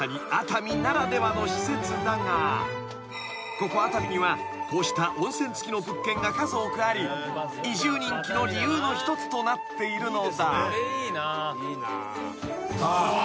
［ここ熱海にはこうした温泉付きの物件が数多くあり移住人気の理由の一つとなっているのだ］